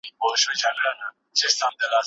ايا ته ليکنه کوې؟